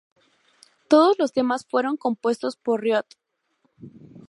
Todos los temas fueron compuestos por Riot.